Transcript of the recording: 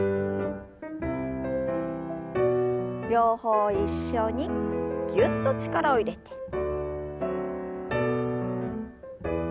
両方一緒にぎゅっと力を入れて。